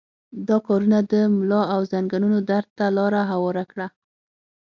دا کارونه د ملا او زنګنونو درد ته لاره هواره کړه.